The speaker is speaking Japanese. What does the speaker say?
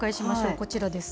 こちらです。